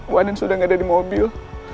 bu andin sudah ga ada di mobil